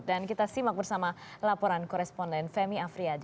dan kita simak bersama laporan koresponden femi afriyade